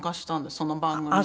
その番組に。